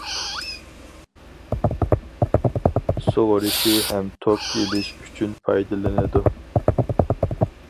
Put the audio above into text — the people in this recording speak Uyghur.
سۇغىرىشى ھەم توك ئېلىش ئۈچۈن پايدىلىنىدۇ.